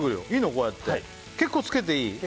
こうやって結構つけていい？